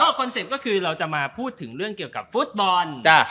คอนเซ็ปต์ก็คือเราจะมาพูดถึงเรื่องเกี่ยวกับฟุตบอล